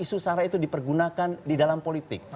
isu sarah itu dipergunakan di dalam politik